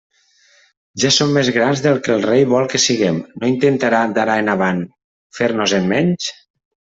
Ja som més grans del que el rei vol que siguem, ¿no intentarà d'ara en avant fer-nos-en menys?